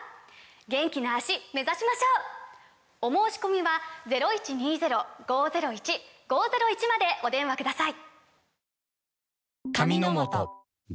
元気な脚目指しましょう！お申込みはお電話ください